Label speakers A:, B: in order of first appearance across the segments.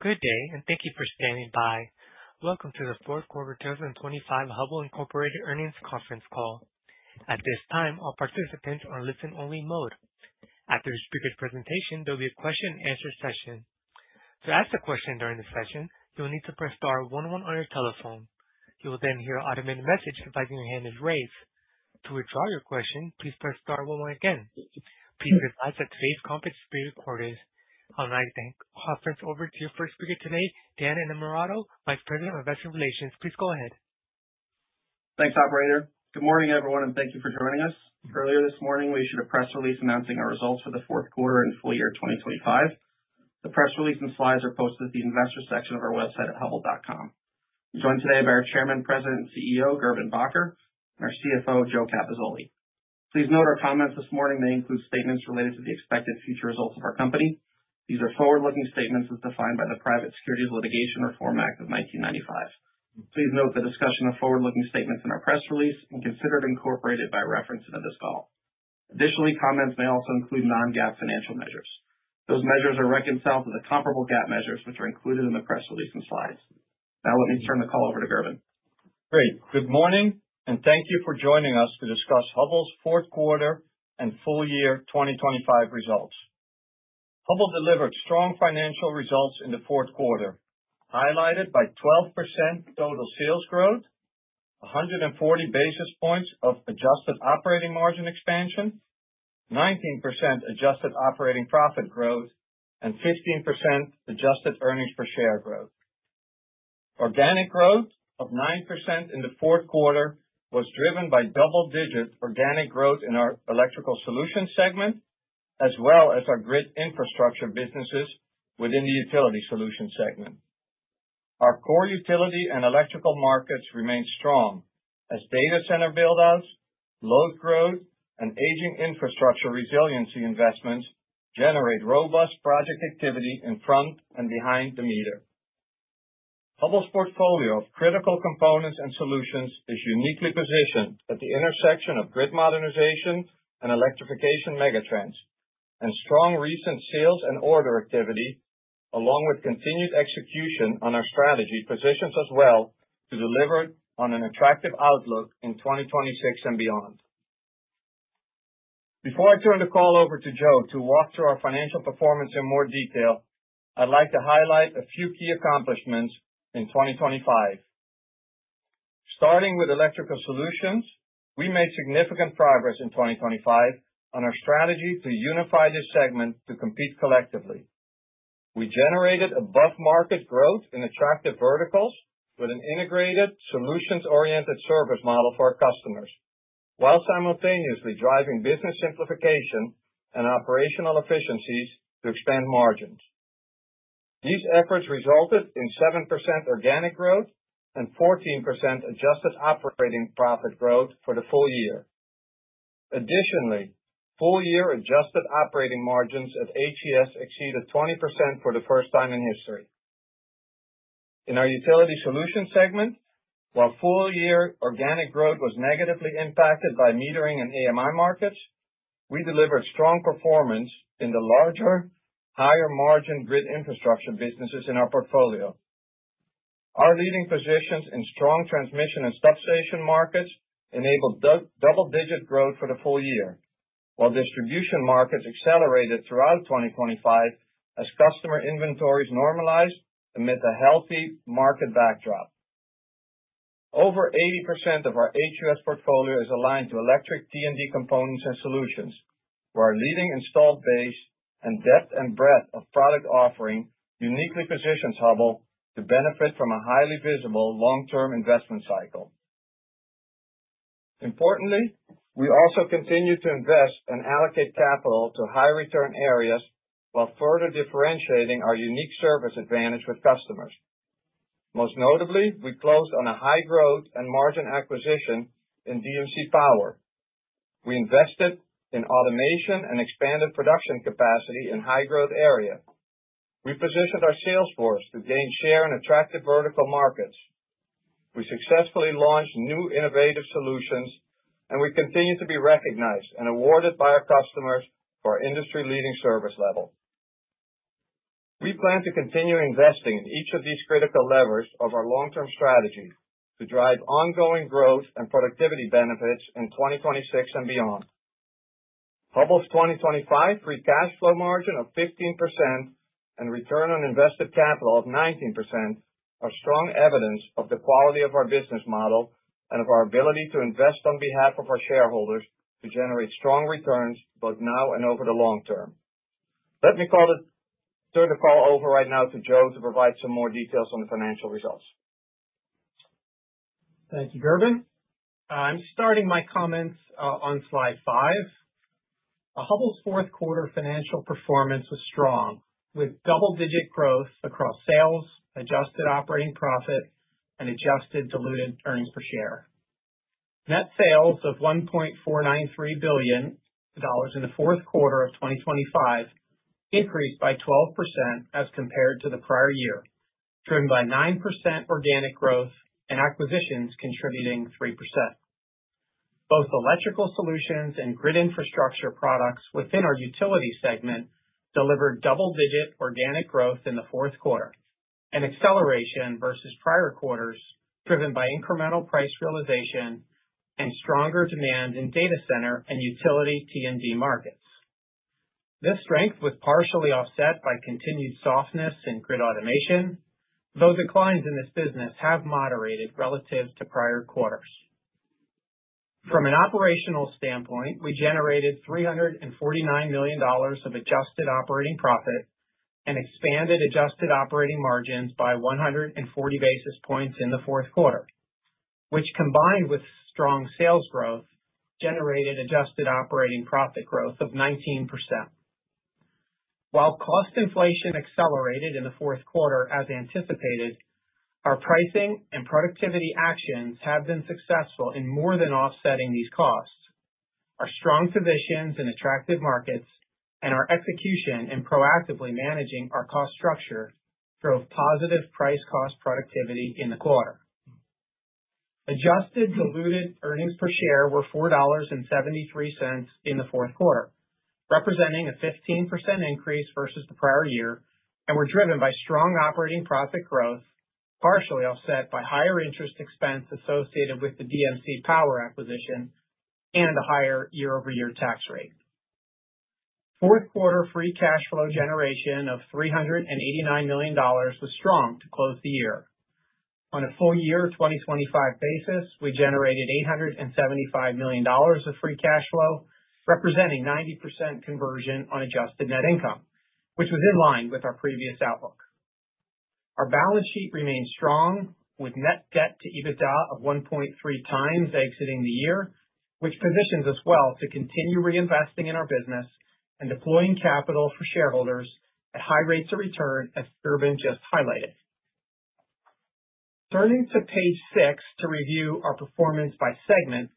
A: Good day, and thank you for standing by. Welcome to the fourth quarter 2025 Hubbell Incorporated earnings conference call. At this time, all participants are in listen-only mode. After the speaker's presentation, there'll be a question and answer session. To ask a question during the session, you will need to press star one one on your telephone. You will then hear an automated message advising your hand is raised. To withdraw your question, please press star one one again. Please advise that today's conference is being recorded. I would like to hand the conference over to your first speaker today, Dan Innamorato, Vice President of investor relations. Please go ahead.
B: Thanks, operator. Good morning, everyone, and thank you for joining us. Earlier this morning, we issued a press release announcing our results for the fourth quarter and full year 2025. The press release and slides are posted at the investor section of our website at hubbell.com. I'm joined today by our Chairman, President, and CEO, Gerben Bakker, and our CFO, Joe Capozzoli. Please note our comments this morning may include statements related to the expected future results of our company. These are forward-looking statements as defined by the Private Securities Litigation Reform Act of 1995. Please note the discussion of forward-looking statements in our press release and consider it incorporated by reference into this call. Additionally, comments may also include non-GAAP financial measures. Those measures are reconciled to the comparable GAAP measures, which are included in the press release and slides. Now, let me turn the call over to Gerben.
C: Great. Good morning, and thank you for joining us to discuss Hubbell's fourth quarter and full year 2025 results. Hubbell delivered strong financial results in the fourth quarter, highlighted by 12% total sales growth, 140 basis points of adjusted operating margin expansion, 19% adjusted operating profit growth, and 15% adjusted earnings per share growth. Organic growth of 9% in the fourth quarter was driven by double-digit organic growth in our Electrical Solutions segment, as well as our grid infrastructure businesses within the Utility solutions segment. Our core utility and electrical markets remain strong as data center build-outs, load growth, and aging infrastructure resiliency investments generate robust project activity in front and behind the meter. Hubbell's portfolio of critical components and solutions is uniquely positioned at the intersection of grid modernization and electrification megatrends. Strong recent sales and order activity, along with continued execution on our strategy, positions us well to deliver on an attractive outlook in 2026 and beyond. Before I turn the call over to Joe to walk through our financial performance in more detail, I'd like to highlight a few key accomplishments in 2025. Starting with Electrical Solutions, we made significant progress in 2025 on our strategy to unify this segment to compete collectively. We generated above-market growth in attractive verticals with an integrated, solutions-oriented service model for our customers, while simultaneously driving business simplification and operational efficiencies to expand margins. These efforts resulted in 7% organic growth and 14% adjusted operating profit growth for the full year. Additionally, full year adjusted operating margins at HES exceeded 20% for the first time in history. In our Utility Solutions segment, while full-year organic growth was negatively impacted by metering and AMI markets, we delivered strong performance in the larger, higher-margin grid infrastructure businesses in our portfolio. Our leading positions in strong transmission and substation markets enabled double-digit growth for the full year, while distribution markets accelerated throughout 2025 as customer inventories normalized amid a healthy market backdrop. Over 80% of our HUS portfolio is aligned to electric T&D components and solutions, where our leading installed base and depth and breadth of product offering uniquely positions Hubbell to benefit from a highly visible long-term investment cycle. Importantly, we also continued to invest and allocate capital to high-return areas while further differentiating our unique service advantage with customers. Most notably, we closed on a high growth and margin acquisition in DMC Power. We invested in automation and expanded production capacity in high-growth areas. We positioned our sales force to gain share in attractive vertical markets. We successfully launched new innovative solutions, and we continue to be recognized and awarded by our customers for our industry-leading service level. We plan to continue investing in each of these critical levers of our long-term strategy to drive ongoing growth and productivity benefits in 2026 and beyond. Hubbell's 2025 free cash flow margin of 15% and return on invested capital of 19% are strong evidence of the quality of our business model and of our ability to invest on behalf of our shareholders to generate strong returns both now and over the long term. Let me turn the call over right now to Joe to provide some more details on the financial results.
D: Thank you, Gerben. I'm starting my comments on slide five. Hubbell's fourth quarter financial performance was strong, with double-digit growth across sales, adjusted operating profit, and adjusted diluted earnings per share. Net sales of $1.493 billion in the fourth quarter of 2025 increased by 12% as compared to the prior year, driven by 9% organic growth and acquisitions contributing 3%. Both Electrical Solutions and grid infrastructure products within our utility segment delivered double-digit organic growth in the fourth quarter, an acceleration versus prior quarters, driven by incremental price realization and stronger demand in data center and utility T&D markets. This strength was partially offset by continued softness in Grid Automation, though declines in this business have moderated relative to prior quarters. From an operational standpoint, we generated $349 million of adjusted operating profit and expanded adjusted operating margins by 140 basis points in the fourth quarter, which combined with strong sales growth, generated adjusted operating profit growth of 19%. While cost inflation accelerated in the fourth quarter as anticipated, our pricing and productivity actions have been successful in more than offsetting these costs. Our strong positions in attractive markets and our execution in proactively managing our cost structure drove positive price cost productivity in the quarter. Adjusted diluted earnings per share were $4.73 in the fourth quarter, representing a 15% increase versus the prior year, and were driven by strong operating profit growth, partially offset by higher interest expense associated with the DMC Power acquisition and a higher year-over-year tax rate. Fourth quarter free cash flow generation of $389 million was strong to close the year. On a full year 2025 basis, we generated $875 million of free cash flow, representing 90% conversion on adjusted net income, which was in line with our previous outlook. Our balance sheet remains strong, with net debt to EBITDA of 1.3x exiting the year, which positions us well to continue reinvesting in our business and deploying capital for shareholders at high rates of return, as Gerben just highlighted. Turning to page 6 to review our performance by segment.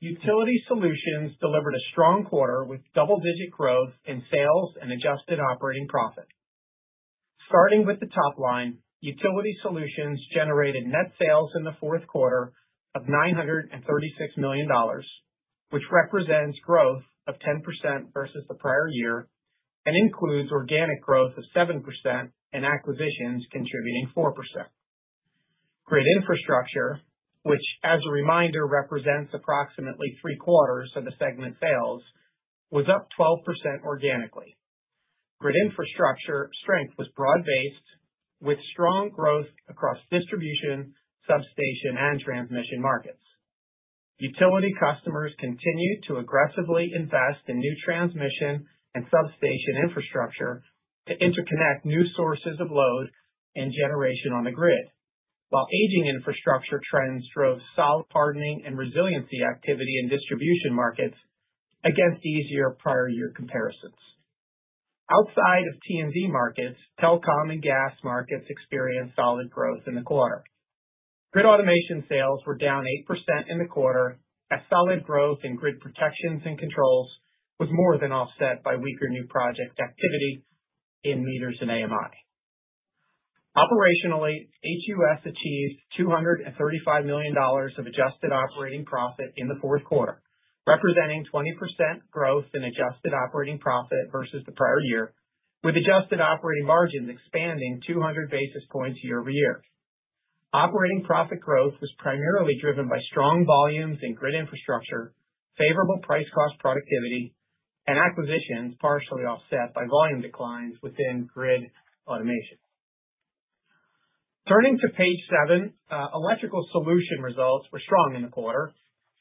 D: Utility Solutions delivered a strong quarter with double-digit growth in sales and adjusted operating profit. Starting with the top line, Utility Solutions generated net sales in the fourth quarter of $936 million, which represents growth of 10% versus the prior year and includes organic growth of 7% and acquisitions contributing 4%. Grid infrastructure, which, as a reminder, represents approximately three quarters of the segment's sales, was up 12% organically. Grid infrastructure strength was broad-based, with strong growth across distribution, substation, and transmission markets. Utility customers continued to aggressively invest in new transmission and substation infrastructure to interconnect new sources of load and generation on the grid, while aging infrastructure trends drove solid hardening and resiliency activity in distribution markets against easier prior year comparisons. Outside of T&D markets, telecom and gas markets experienced solid growth in the quarter. Grid automation sales were down 8% in the quarter, as solid growth in grid protections and controls was more than offset by weaker new project activity in meters and AMI. Operationally, HUS achieved $235 million of adjusted operating profit in the fourth quarter, representing 20% growth in adjusted operating profit versus the prior year, with adjusted operating margins expanding 200 basis points year-over-year. Operating profit growth was primarily driven by strong volumes in grid infrastructure, favorable price cost productivity, and acquisitions, partially offset by volume declines within Grid Automation. Turning to page 7, Electrical Solution results were strong in the quarter,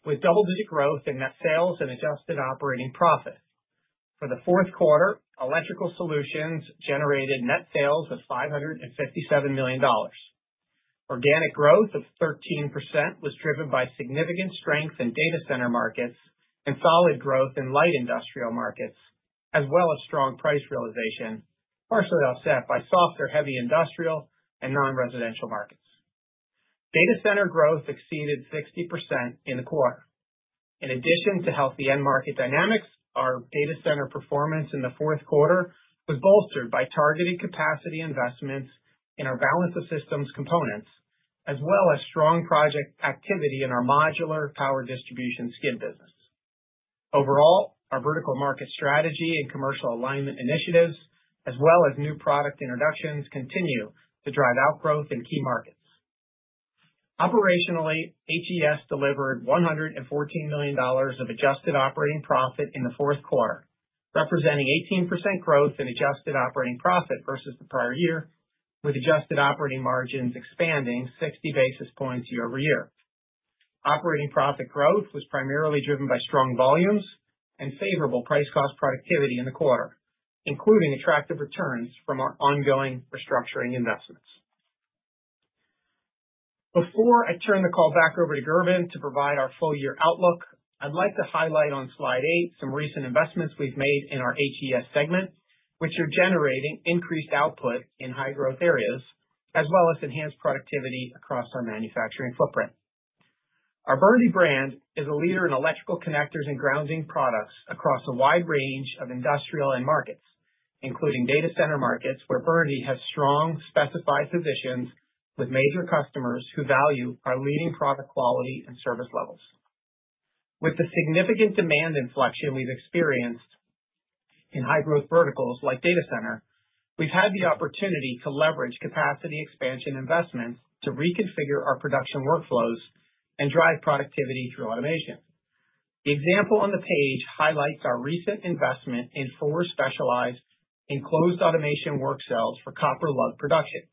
D: with double-digit growth in net sales and adjusted operating profit. For the fourth quarter, Electrical Solutions generated net sales of $557 million. Organic growth of 13% was driven by significant strength in data center markets and solid growth in light industrial markets, as well as strong price realization, partially offset by softer, heavy industrial and non-residential markets. Data center growth exceeded 60% in the quarter. In addition to healthy end market dynamics, our data center performance in the fourth quarter was bolstered by targeted capacity investments in our balance of systems components, as well as strong project activity in our modular power distribution skid business. Overall, our vertical market strategy and commercial alignment initiatives, as well as new product introductions, continue to drive out growth in key markets. Operationally, HES delivered $114 million of adjusted operating profit in the fourth quarter, representing 18% growth in adjusted operating profit versus the prior year, with adjusted operating margins expanding 60 basis points year-over-year. Operating profit growth was primarily driven by strong volumes and favorable price cost productivity in the quarter, including attractive returns from our ongoing restructuring investments. Before I turn the call back over to Gerben to provide our full year outlook, I'd like to highlight on slide 8 some recent investments we've made in our HES segment, which are generating increased output in high growth areas, as well as enhanced productivity across our manufacturing footprint. Our Burndy brand is a leader in electrical connectors and grounding products across a wide range of industrial end markets, including data center markets, where Burndy has strong specified positions with major customers who value our leading product quality and service levels. With the significant demand inflection we've experienced in high growth verticals like data center, we've had the opportunity to leverage capacity expansion investments to reconfigure our production workflows and drive productivity through automation. The example on the page highlights our recent investment in 4 specialized enclosed automation work cells for copper lug production,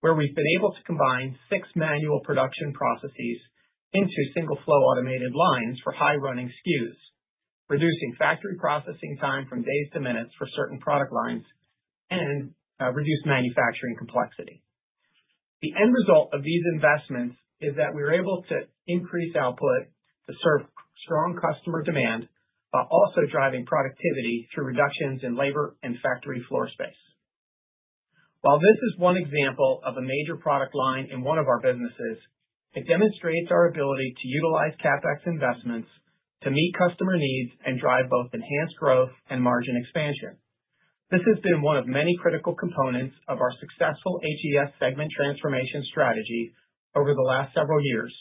D: where we've been able to combine 6 manual production processes into single flow automated lines for high running SKUs, reducing factory processing time from days to minutes for certain product lines and reduced manufacturing complexity. The end result of these investments is that we were able to increase output to serve strong customer demand, while also driving productivity through reductions in labor and factory floor space. While this is one example of a major product line in one of our businesses, it demonstrates our ability to utilize CapEx investments to meet customer needs and drive both enhanced growth and margin expansion. This has been one of many critical components of our successful HES segment transformation strategy over the last several years,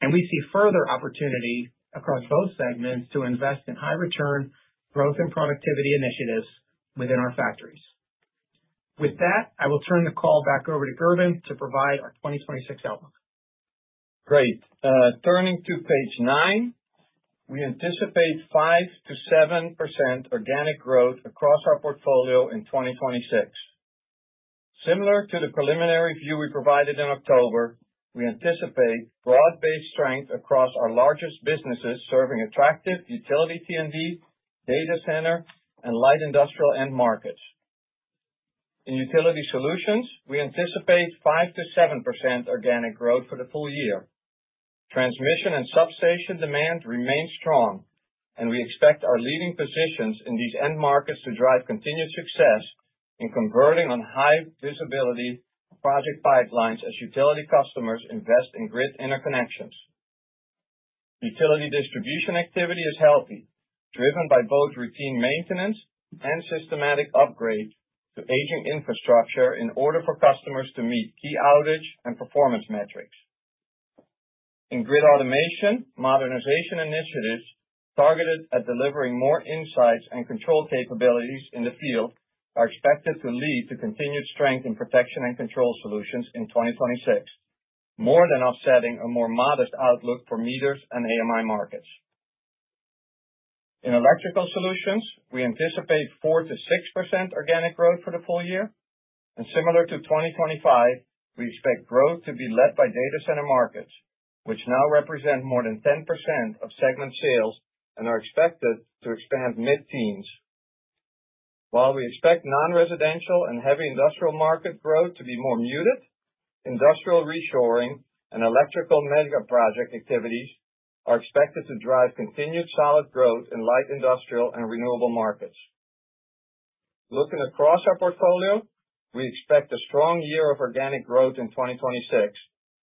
D: and we see further opportunity across both segments to invest in high return growth and productivity initiatives within our factories. With that, I will turn the call back over to Gerben to provide our 2026 outlook.
C: Great. Turning to page 9. We anticipate 5%-7% organic growth across our portfolio in 2026. Similar to the preliminary view we provided in October, we anticipate broad-based strength across our largest businesses, serving attractive utility T&D, data center, and light industrial end markets. In Utility Solutions, we anticipate 5%-7% organic growth for the full year. Transmission and substation demand remains strong, and we expect our leading positions in these end markets to drive continued success in converting on high visibility project pipelines as utility customers invest in grid interconnections. Utility distribution activity is healthy, driven by both routine maintenance and systematic upgrades to aging infrastructure in order for customers to meet key outage and performance metrics. In Grid Automation, modernization initiatives targeted at delivering more insights and control capabilities in the field are expected to lead to continued strength in protection and control solutions in 2026, more than offsetting a more modest outlook for meters and AMI markets. In Electrical Solutions, we anticipate 4%-6% organic growth for the full year, and similar to 2025, we expect growth to be led by data center markets, which now represent more than 10% of segment sales and are expected to expand mid-teens. While we expect non-residential and heavy industrial market growth to be more muted, industrial reshoring and electrical megaproject activities are expected to drive continued solid growth in light industrial and renewable markets. Looking across our portfolio, we expect a strong year of organic growth in 2026,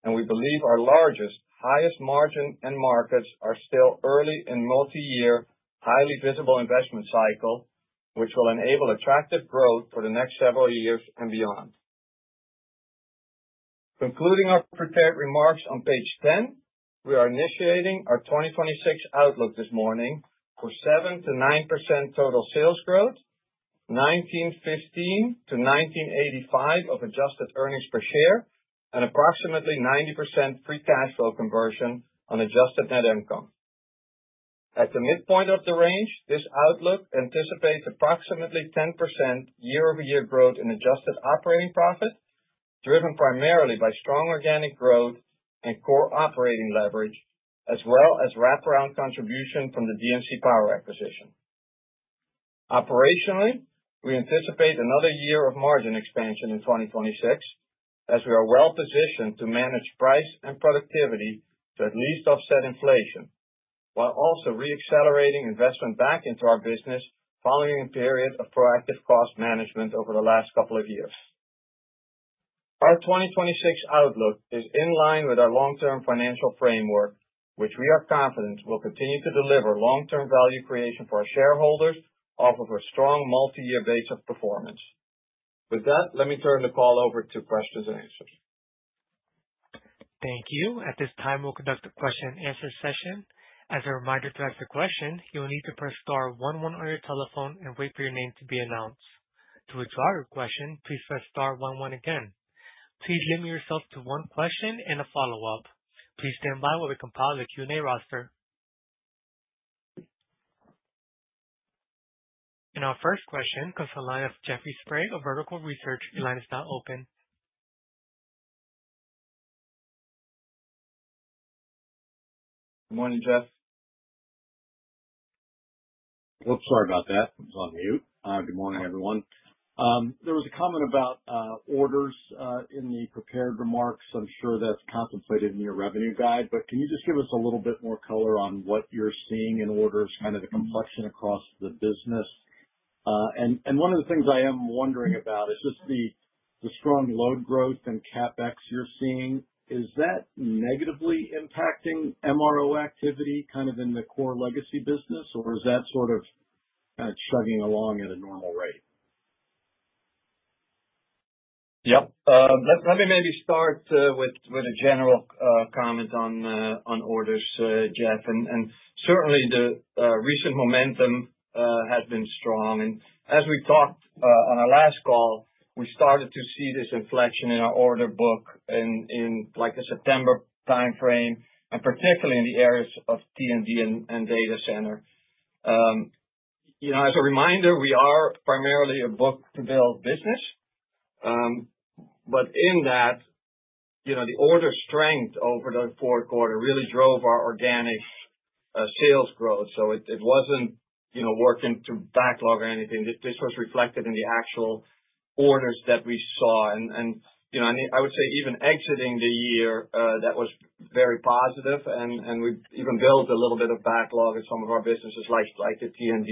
C: and we believe our largest, highest margin end markets are still early in multiyear, highly visible investment cycle, which will enable attractive growth for the next several years and beyond. Concluding our prepared remarks on page 10, we are initiating our 2026 outlook this morning for 7%-9% total sales growth, $19.15-$19.85 adjusted earnings per share, and approximately 90% free cash flow conversion on adjusted net income. At the midpoint of the range, this outlook anticipates approximately 10% year-over-year growth in adjusted operating profit, driven primarily by strong organic growth and core operating leverage, as well as wraparound contribution from the DMC Power acquisition. Operationally, we anticipate another year of margin expansion in 2026, as we are well positioned to manage price and productivity to at least offset inflation, while also reaccelerating investment back into our business following a period of proactive cost management over the last couple of years. Our 2026 outlook is in line with our long-term financial framework, which we are confident will continue to deliver long-term value creation for our shareholders off of a strong multi-year base of performance. With that, let me turn the call over to questions and answers.
A: Thank you. At this time, we'll conduct a question-and-answer session. As a reminder, to ask a question, you will need to press star one one on your telephone and wait for your name to be announced. To withdraw your question, please press star one one again. Please limit yourself to one question and a follow-up. Please stand by while we compile the Q&A roster. Our first question comes from the line of Jeffrey Sprague of Vertical Research Partners. Your line is now open.
C: Good morning, Jeff.
E: Well, sorry about that. I was on mute. Good morning, everyone. There was a comment about orders in the prepared remarks. I'm sure that's contemplated in your revenue guide, but can you just give us a little bit more color on what you're seeing in orders, kind of the complexion across the business? And one of the things I am wondering about is just the strong load growth and CapEx you're seeing, is that negatively impacting MRO activity, kind of in the core legacy business? Or is that sort of chugging along at a normal rate?
C: Yep. Let me maybe start with a general comment on orders, Jeff. Certainly the recent momentum has been strong. As we talked on our last call, we started to see this inflection in our order book in like the September timeframe, and particularly in the areas of T&D and data center. You know, as a reminder, we are primarily a book-to-bill business. But in that, you know, the order strength over the fourth quarter really drove our organic sales growth. So it wasn't, you know, working through backlog or anything. This was reflected in the actual orders that we saw. You know, I would say even exiting the year, that was very positive, and we even built a little bit of backlog in some of our businesses, like the T&D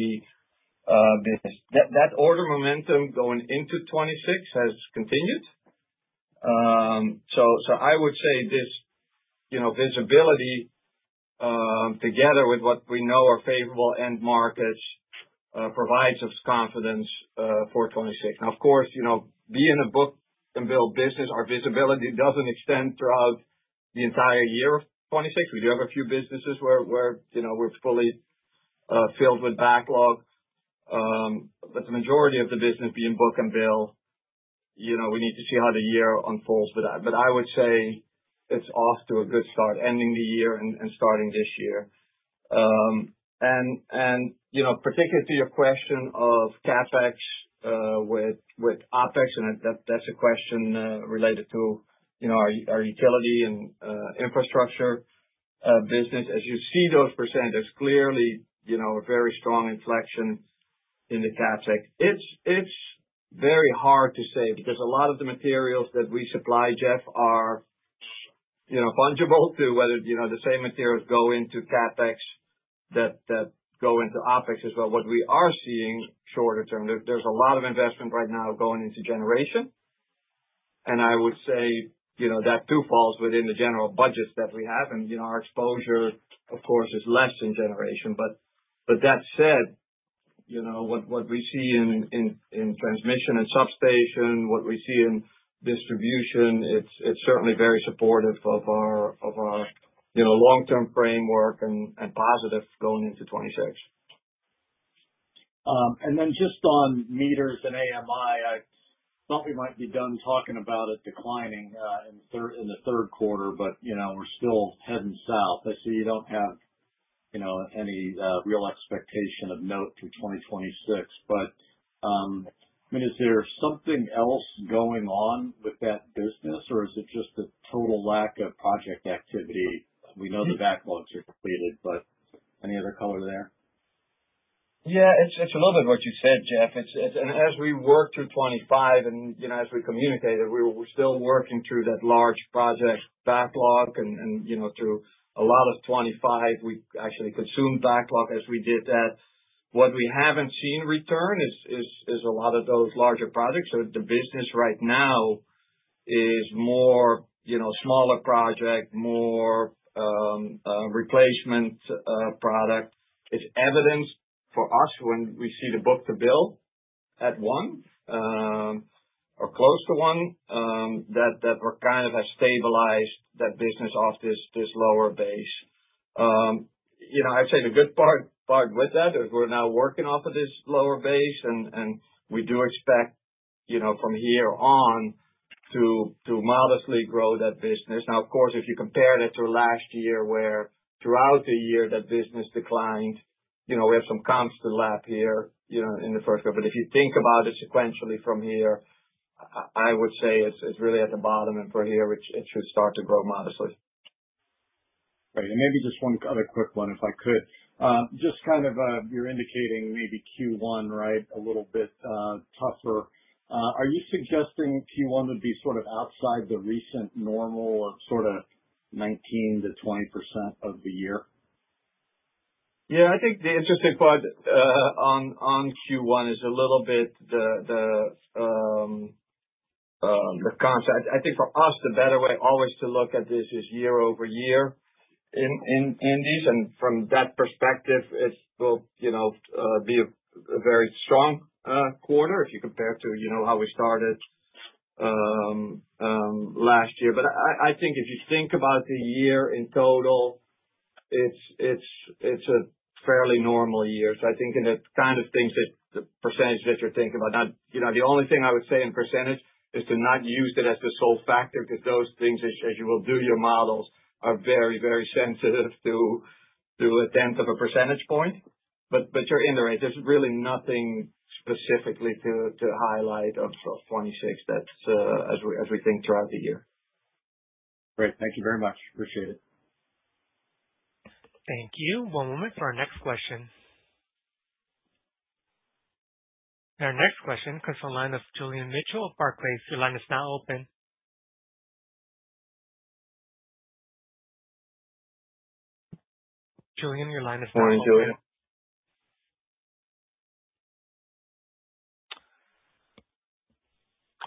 C: business. That order momentum going into 2026 has continued. So I would say this, you know, visibility, together with what we know are favorable end markets, provides us confidence for 2026. Now, of course, you know, being a book-and-bill business, our visibility doesn't extend throughout the entire year of 2026. We do have a few businesses where, you know, we're fully filled with backlog. But the majority of the business being book and bill, you know, we need to see how the year unfolds for that. But I would say it's off to a good start, ending the year and starting this year. And you know, particularly to your question of CapEx with OpEx, and that's a question related to you know, our utility and infrastructure business. As you see those percentages, clearly you know, a very strong inflection in the CapEx. It's very hard to say, because a lot of the materials that we supply, Jeff, are you know, fungible to whether you know, the same materials go into CapEx that go into OpEx as well. What we are seeing shorter term, there's a lot of investment right now going into generation. And I would say you know, that too falls within the general budgets that we have. And you know, our exposure, of course, is less in generation. But that said, you know, what we see in transmission and substation, what we see in distribution, it's certainly very supportive of our you know long-term framework and positive going into 2026.
E: And then just on meters and AMI, I thought we might be done talking about it declining in the third quarter, but, you know, we're still heading south. I see you don't have, you know, any real expectation of note through 2026. I mean, is there something else going on with that business, or is it just a total lack of project activity? We know the backlogs are completed, but any other color there?
C: Yeah, it's a little bit what you said, Jeff. It's. And as we worked through 2025 and, you know, as we communicated, we were still working through that large project backlog, and, you know, through a lot of 2025, we actually consumed backlog as we did that. What we haven't seen return is a lot of those larger projects. So the business right now is more, you know, smaller project, more replacement product. It's evidence for us when we see the book-to-bill at 1, or close to 1, that we're kind of have stabilized that business off this lower base. You know, I'd say the good part with that is we're now working off of this lower base, and we do expect, you know, from here on, to modestly grow that business. Now, of course, if you compare that to last year, where throughout the year that business declined, you know, we have some comps to lap here, you know, in the first quarter. But if you think about it sequentially from here, I would say it's really at the bottom, and from here, it should start to grow modestly.
E: Great. And maybe just one other quick one, if I could. Just kind of, you're indicating maybe Q1, right? A little bit tougher. Are you suggesting Q1 would be sort of outside the recent normal of sort of 19%-20% of the year?
C: Yeah, I think the interesting part on Q1 is a little bit the concept. I think for us, the better way always to look at this is year-over-year in these, and from that perspective, it will, you know, be a very strong quarter if you compare to, you know, how we started last year. But I think if you think about the year in total, it's a fairly normal year. So I think in the kind of things that, the percentage that you're thinking about... Now, you know, the only thing I would say in percentage is to not use it as the sole factor, because those things, as you will do your models, are very, very sensitive to a tenth of a percentage point. But you're in the right. There's really nothing specifically to highlight of for 2026 that's as we think throughout the year.
E: Great. Thank you very much. Appreciate it.
A: Thank you. One moment for our next question. Our next question comes from the line of Julian Mitchell of Barclays. Your line is now open. Julian, your line is now open.
C: Morning, Julian.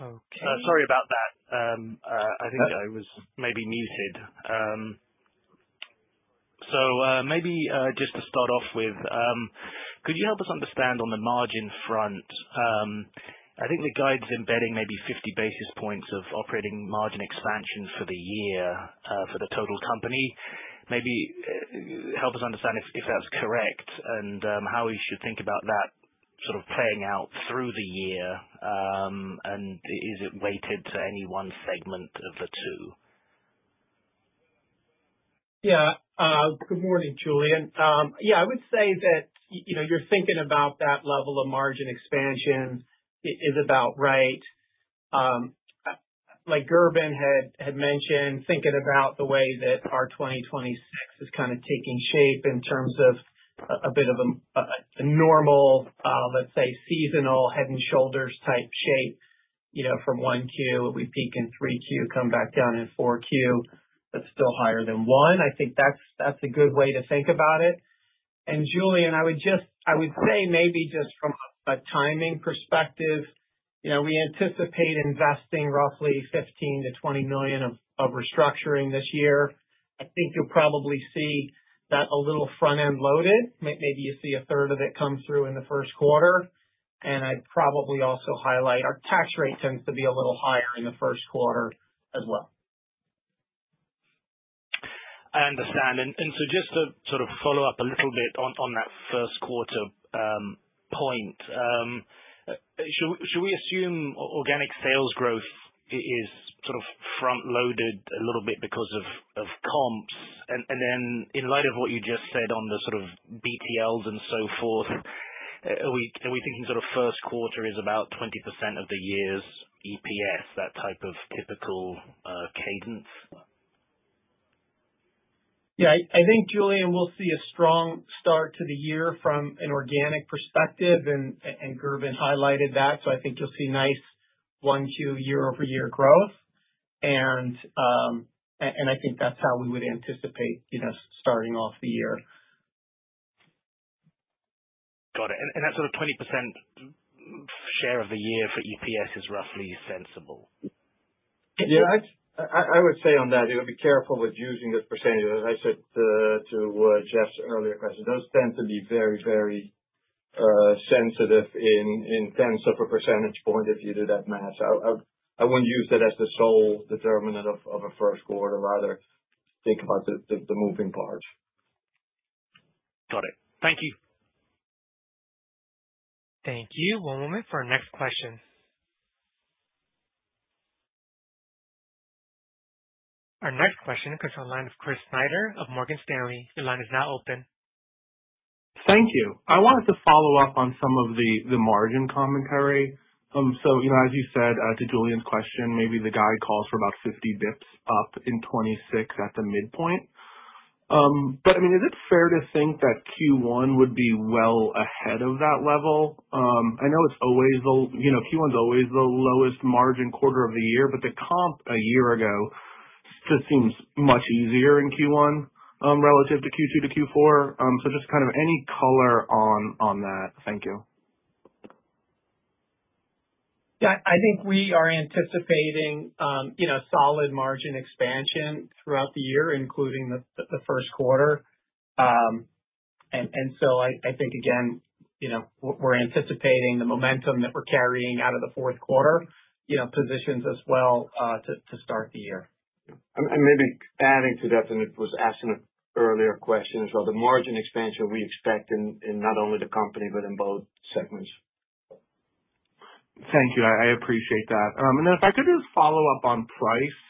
C: Okay.
F: Sorry about that. I think I was maybe muted. So, maybe just to start off with, could you help us understand on the margin front? I think the guide's embedding maybe 50 basis points of operating margin expansion for the year, for the total company. Maybe help us understand if that's correct, and how we should think about that sort of playing out through the year, and is it weighted to any one segment of the two?
D: Yeah. Good morning, Julian. Yeah, I would say that, you know, you're thinking about that level of margin expansion is about right. Like Gerben had mentioned, thinking about the way that our 2026 is kind of taking shape in terms of a bit of a normal, let's say, seasonal head and shoulders type shape, you know, from Q1, we peak in Q3, come back down in Q4, but still higher than Q1. I think that's a good way to think about it. And Julian, I would just I would say maybe just from a timing perspective, you know, we anticipate investing roughly $15 million-$20 million of restructuring this year. I think you'll probably see that a little front end loaded. Maybe you'll see a third of it come through in the first quarter. I'd probably also highlight our tax rate tends to be a little higher in the first quarter as well.
F: I understand. And, and so just to sort of follow up a little bit on, on that first quarter, point. Should we, should we assume organic sales growth is sort of front loaded a little bit because of, of comps? And, and then in light of what you just said on the sort of BTLs and so forth, are we, are we thinking sort of first quarter is about 20% of the year's EPS, that type of typical, cadence?
D: Yeah. I think, Julian, we'll see a strong start to the year from an organic perspective, and Gerben highlighted that, so I think you'll see nice 1Q year-over-year growth. And I think that's how we would anticipate, you know, starting off the year.
F: Got it. And that sort of 20% share of the year for EPS is roughly sensible?
C: Yeah. I would say on that, you know, be careful with using this percentage. As I said, to Jeff's earlier question, those tend to be very, very sensitive in terms of a percentage point, if you do that math. I wouldn't use that as the sole determinant of a first quarter. Rather think about the moving parts.
F: Got it. Thank you.
A: Thank you. One moment for our next question. Our next question comes from the line of Chris Snyder of Morgan Stanley. Your line is now open.
G: Thank you. I wanted to follow up on some of the, the margin commentary. So, you know, as you said, to Julian's question, maybe the guide calls for about 50 basis points up in 2026 at the midpoint. But I mean, is it fair to think that Q1 would be well ahead of that level? I know it's always the... You know, Q1 is always the lowest margin quarter of the year, but the comp a year ago just seems much easier in Q1, relative to Q2 to Q4. So just kind of any color on, on that. Thank you.
D: Yeah. I think we are anticipating, you know, solid margin expansion throughout the year, including the first quarter. And so I think, again, you know, we're anticipating the momentum that we're carrying out of the fourth quarter, you know, positions us well to start the year.
C: And maybe adding to that, and it was asked in an earlier question, so the margin expansion we expect in not only the company, but in both segments.
G: Thank you. I, I appreciate that. And then if I could just follow up on price.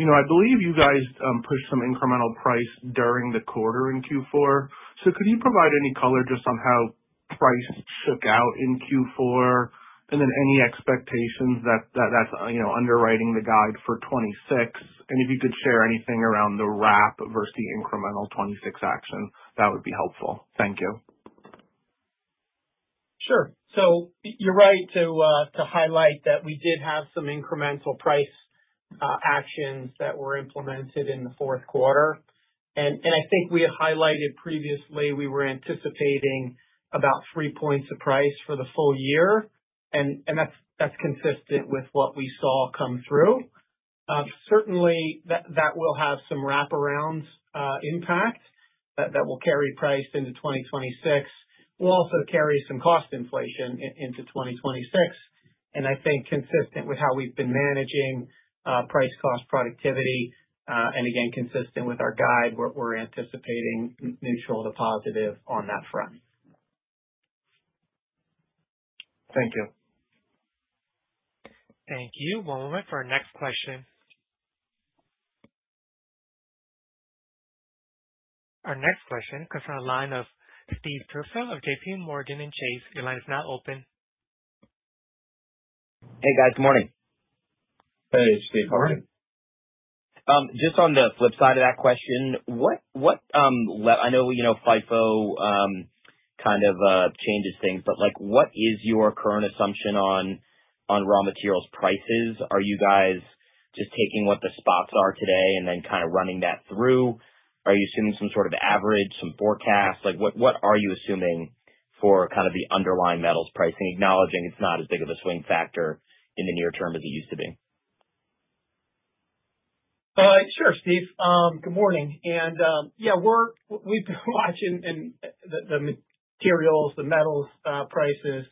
G: You know, I believe you guys pushed some incremental price during the quarter in Q4. So could you provide any color just on how price shook out in Q4, and then any expectations that, that, that's, you know, underwriting the guide for 2026? And if you could share anything around the wrap versus the incremental 2026 action, that would be helpful. Thank you.
D: Sure. So you're right to highlight that we did have some incremental price actions that were implemented in the fourth quarter. And I think we had highlighted previously, we were anticipating about 3 points of price for the full year, and that's consistent with what we saw come through. Certainly, that will have some wraparounds impact, that will carry price into 2026. We'll also carry some cost inflation into 2026, and I think consistent with how we've been managing price, cost, productivity, and again, consistent with our guide, we're anticipating neutral to positive on that front.
G: Thank you.
A: Thank you. One moment for our next question. Our next question comes from the line of Stephen Tusa of JPMorgan Chase & Co.. Your line is now open.
H: Hey, guys. Good morning.
C: Hey, Steve. Good morning.
H: Just on the flip side of that question, what, I know, you know, FIFO kind of changes things, but like what is your current assumption on raw materials prices? Are you guys just taking what the spots are today and then kind of running that through? Are you assuming some sort of average, some forecast? Like, what are you assuming for kind of the underlying metals pricing, acknowledging it's not as big of a swing factor in the near term as it used to be?
D: Sure, Steve. Good morning. And, yeah, we've been watching the materials, the metals prices,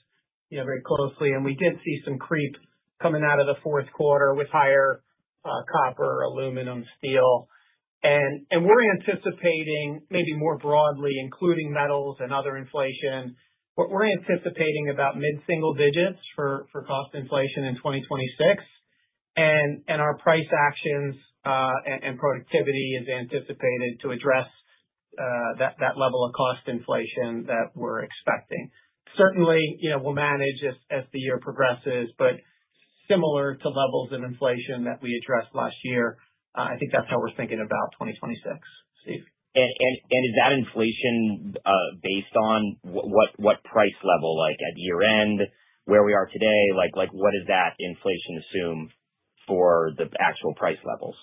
D: you know, very closely, and we did see some creep coming out of the fourth quarter with higher copper, aluminum, steel. And, we're anticipating maybe more broadly, including metals and other inflation, but we're anticipating about mid-single digits for cost inflation in 2026. And, our price actions and productivity is anticipated to address that level of cost inflation that we're expecting. Certainly, you know, we'll manage as the year progresses, but similar to levels of inflation that we addressed last year, I think that's how we're thinking about 2026, Steve.
H: Is that inflation based on what price level, like at year end, where we are today? Like, what does that inflation assume for the actual price levels?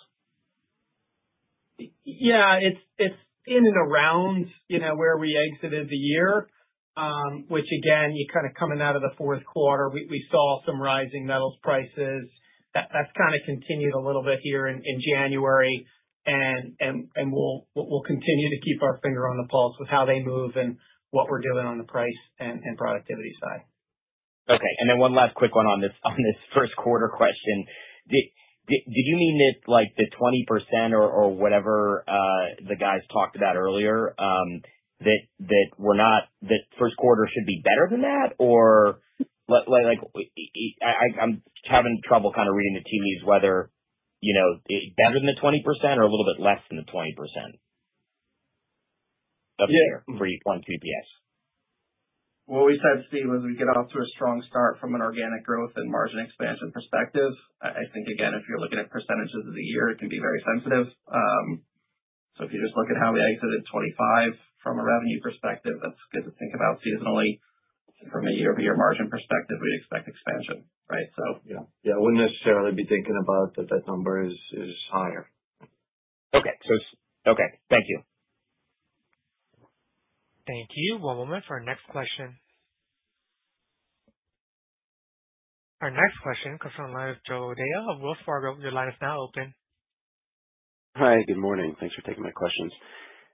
D: Yeah, it's in and around, you know, where we exited the year. Which again, coming out of the fourth quarter, we saw some rising metals prices. That's kind of continued a little bit here in January, and we'll continue to keep our finger on the pulse with how they move and what we're doing on the price and productivity side.
H: Okay. And then one last quick one on this first quarter question. Did you mean that, like, the 20% or whatever the guys talked about earlier, that first quarter should be better than that? Or like, I'm having trouble kind of reading the tea leaves, whether, you know, it's better than the 20% or a little bit less than the 20% of the year for you on EPS?
C: What we said, Steve, is we get off to a strong start from an organic growth and margin expansion perspective. I, I think, again, if you're looking at percentages of the year, it can be very sensitive. So if you just look at how we exited 2025 from a revenue perspective, that's good to think about seasonally. From a year-over-year margin perspective, we expect expansion, right? So, yeah. Yeah, I wouldn't necessarily be thinking about that, that number is, is higher.
H: Okay. Okay. Thank you.
A: Thank you. One moment for our next question. Our next question comes from the line of Joe O'Dea of Wells Fargo & Company. Your line is now open.
I: Hi, good morning. Thanks for taking my questions.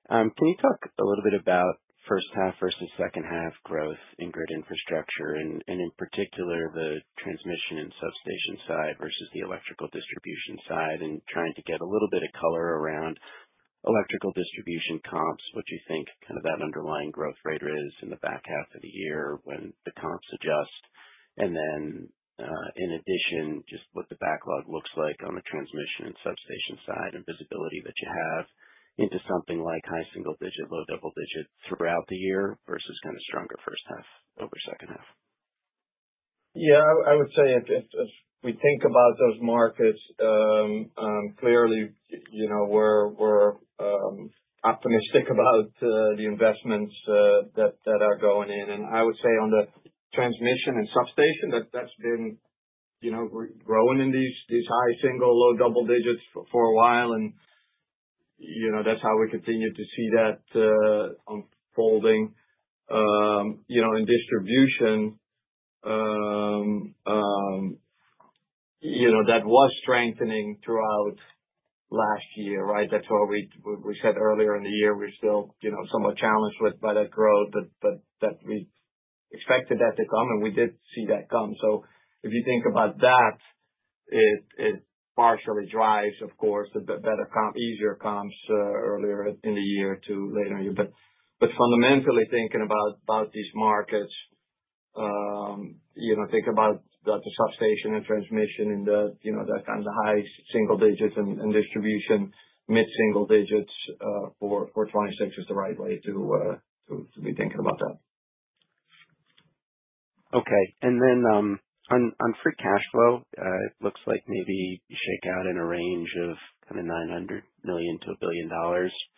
I: Can you talk a little bit about first half, first and second half growth in grid infrastructure, and, and in particular, the transmission and substation side versus the electrical distribution side, and trying to get a little bit of color around electrical distribution comps, what you think kind of that underlying growth rate is in the back half of the year when the comps adjust. And then, in addition, just what the backlog looks like on the transmission and substation side, and visibility that you have into something like high single digit, low double digit throughout the year versus kind of stronger first half over second half.
C: Yeah, I would say if we think about those markets, clearly, you know, we're optimistic about the investments that are going in. And I would say on the transmission and substation, that's been, you know, growing in these high single digits, low double digits for a while, and, you know, that's how we continue to see that unfolding. You know, in distribution, you know, that was strengthening throughout last year, right? That's what we said earlier in the year. We're still, you know, somewhat challenged by that growth, but that we expected that to come, and we did see that come. So if you think about that, it partially drives, of course, the better, easier comps earlier in the year to later on. But fundamentally thinking about these markets, you know, think about the substation and transmission and, you know, that kind of high single digits and distribution, mid-single digits, for 2026 is the right way to be thinking about that.
I: Okay. And then, on free cash flow, it looks like maybe you shake out in a range of kind of $900 million-$1 billion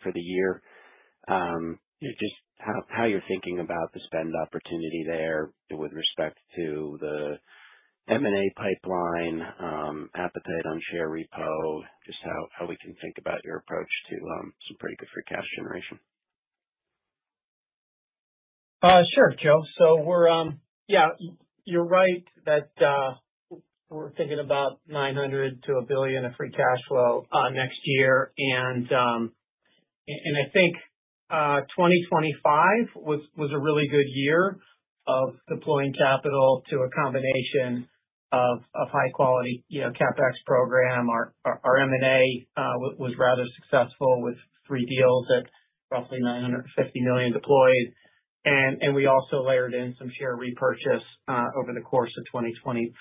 I: for the year. Just how you're thinking about the spend opportunity there with respect to the M&A pipeline, appetite on share repo, just how we can think about your approach to, some pretty good free cash generation?
D: Sure, Joe. So we're thinking about $900 million-$1 billion of free cash flow next year. And I think 2025 was a really good year of deploying capital to a combination of high quality, you know, CapEx program. Our M&A was rather successful with three deals at roughly $950 million deployed, and we also layered in some share repurchase over the course of 2025.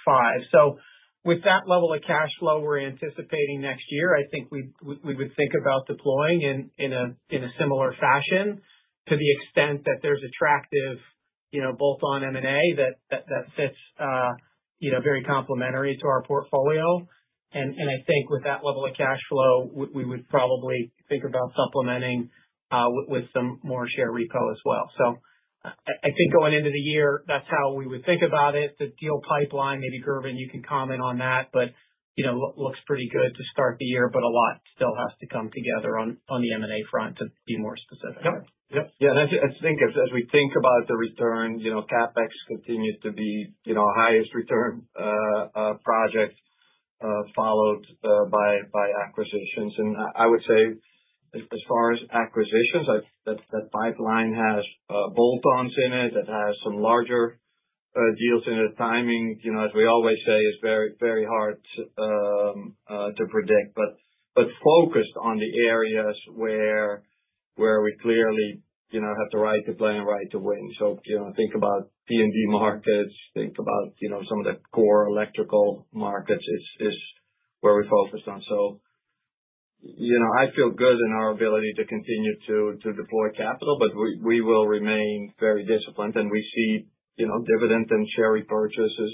D: So with that level of cash flow we're anticipating next year, I think we would think about deploying in a similar fashion to the extent that there's attractive, you know, both on M&A that fits, you know, very complementary to our portfolio. I think with that level of cash flow, we would probably think about supplementing with some more share repo as well. So I think going into the year, that's how we would think about it. The deal pipeline, maybe Gerben, you can comment on that, but you know, looks pretty good to start the year, but a lot still has to come together on the M&A front, to be more specific.
C: Yep. Yep. Yeah, and I think as we think about the return, you know, CapEx continues to be, you know, our highest return project, followed by acquisitions. And I would say as far as acquisitions, that pipeline has bolt-ons in it. It has some larger deals in it. Timing, you know, as we always say, is very, very hard to predict, but focused on the areas where we clearly, you know, have the right to play and right to win. So, you know, think about T&D markets, think about, you know, some of the core electrical markets, is where we're focused on. So, you know, I feel good in our ability to continue to deploy capital, but we will remain very disciplined. We see, you know, dividend and share repurchases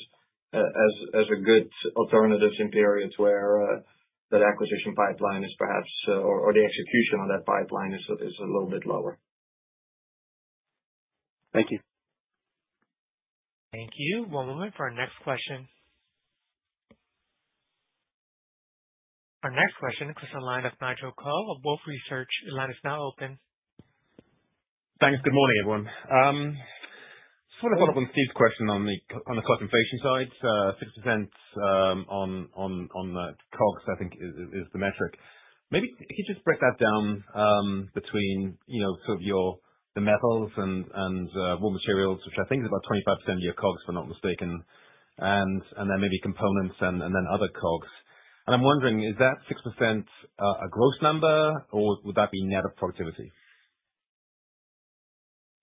C: as a good alternatives in periods where that acquisition pipeline is perhaps or the execution on that pipeline is a little bit lower.
I: Thank you.
A: Thank you. One moment for our next question. Our next question comes on the line of Nigel Coe, of Wolfe Research. Your line is now open.
J: Thanks. Good morning, everyone. Just wanna follow up on Steve's question on the cost inflation side. 6% on the COGS, I think is the metric. Maybe can you just break that down between, you know, sort of your the metals and raw materials, which I think is about 25% of your COGS, if I'm not mistaken, and then maybe components and then other COGS. I'm wondering, is that 6% a gross number, or would that be net of productivity?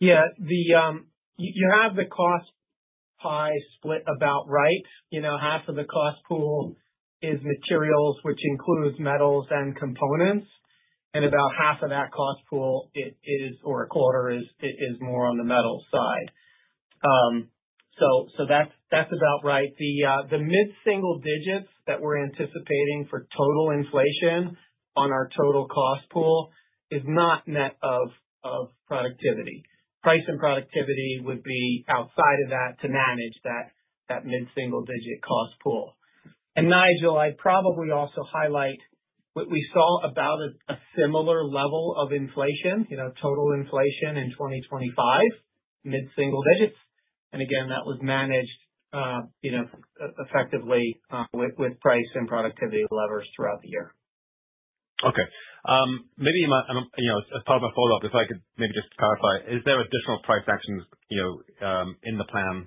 D: Yeah. You have the cost pie split about right. You know, half of the cost pool is materials, which includes metals and components, and about half of that cost pool is, or a quarter is more on the metals side. So that's about right. The mid-single digits that we're anticipating for total inflation on our total cost pool is not net of productivity. Price and productivity would be outside of that to manage that mid-single digit cost pool. And Nigel, I'd probably also highlight what we saw about a similar level of inflation, you know, total inflation in 2025, mid-single digits, and again, that was managed, you know, effectively with price and productivity levers throughout the year.
J: Okay. You know, as part of a follow-up, if I could maybe just clarify: Is there additional price actions, you know, in the plan,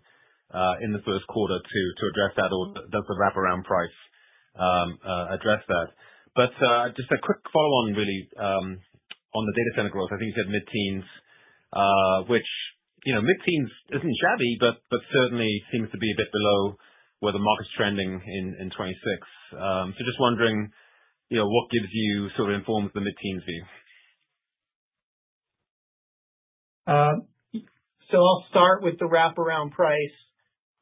J: in the first quarter to address that, or does the wraparound price address that? But just a quick follow-on really, on the data center growth. I think you said mid-teens, which, you know, mid-teens isn't shabby, but certainly seems to be a bit below where the market's trending in 2026. So just wondering, you know, what gives you, sort of, informs the mid-teens view?
D: So I'll start with the wraparound price.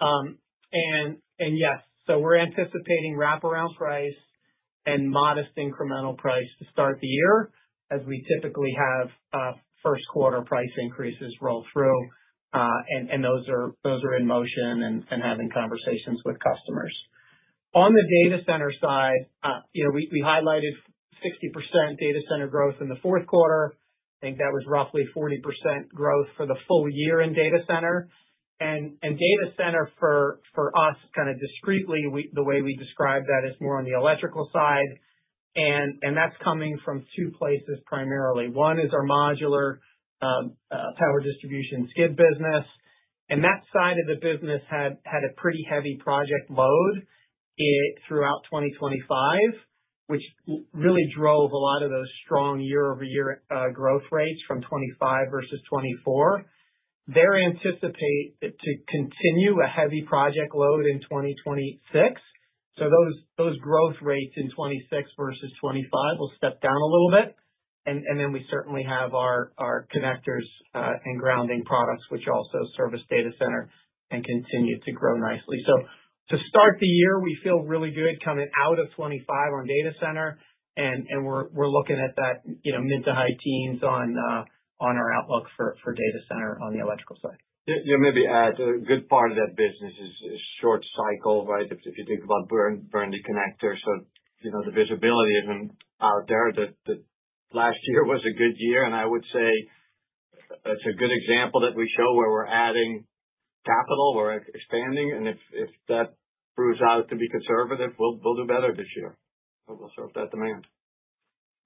D: And yes, so we're anticipating wraparound price and modest incremental price to start the year, as we typically have, first quarter price increases roll through. And those are in motion and having conversations with customers. On the data center side, you know, we highlighted 60% data center growth in the fourth quarter. I think that was roughly 40% growth for the full year in data center. And data center for us, kind of, discretely, the way we describe that is more on the electrical side, and that's coming from two places primarily. One is our modular power distribution skid business, and that side of the business had a pretty heavy project load throughout 2025, which really drove a lot of those strong year-over-year growth rates from 2025 versus 2024. They're anticipate it to continue a heavy project load in 2026, so those growth rates in 2026 versus 2025 will step down a little bit. And then we certainly have our connectors and grounding products, which also service data center and continue to grow nicely. So to start the year, we feel really good coming out of 2025 on data center, and we're looking at that, you know, mid to high teens on our outlook for data center on the electrical side.
C: Yeah, yeah, maybe add a good part of that business is short cycle, right? If you think about Burndy, the connector. So, you know, the visibility of them out there, that last year was a good year, and I would say that's a good example that we show where we're adding capital, we're expanding, and if that proves out to be conservative, we'll do better this year. We'll serve that demand.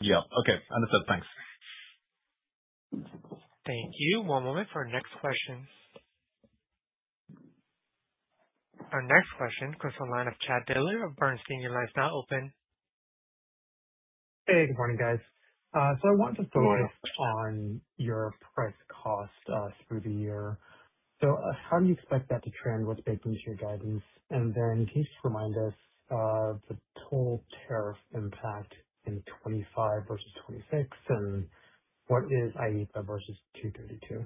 J: Yeah. Okay. Understood. Thanks.
A: Thank you. One moment for our next question. Our next question comes on the line of Chad Dillard of Bernstein. Your line is now open.
K: Hey, good morning, guys. So I want to follow up on your price cost through the year. So, how do you expect that to trend with respect to your guidance? And then can you just remind us of the total tariff impact in 2025 versus 2026, and what is IEEPA versus 232?...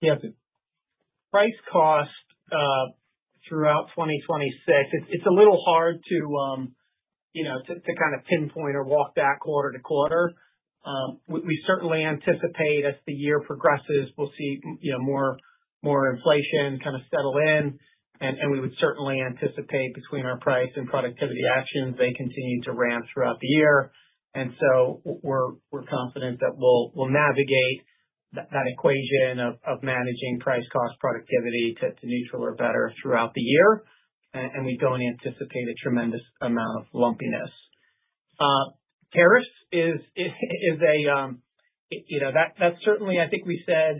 D: Yeah, price cost throughout 2026, it's a little hard to, you know, to kind of pinpoint or walk back quarter to quarter. We certainly anticipate as the year progresses, we'll see, you know, more inflation kind of settle in, and we would certainly anticipate between our price and productivity actions, they continue to ramp throughout the year. And so we're confident that we'll navigate that equation of managing price, cost, productivity to neutral or better throughout the year. And we don't anticipate a tremendous amount of lumpiness. Tariffs is a, you know, that's certainly I think we said...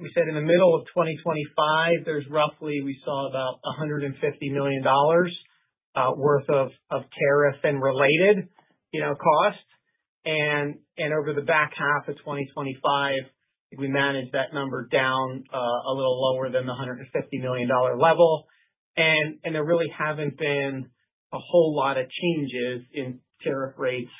D: we said in the middle of 2025, there's roughly, we saw about $150 million worth of tariff and related, you know, costs. Over the back half of 2025, we managed that number down a little lower than the $150 million level. There really haven't been a whole lot of changes in tariff rates,